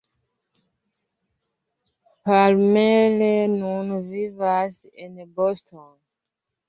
Palmer nun vivas en Boston.